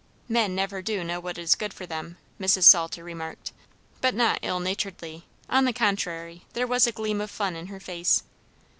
"Men never do know what is good for them," Mrs. Salter remarked, but not ill naturedly; on the contrary, there was a gleam of fun in her face.